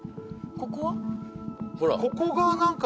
ここは？